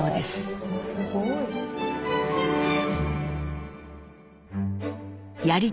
すごい。